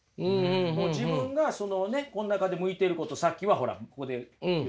もう自分がこの中で向いてることさっきはほらここで言うと創作意欲。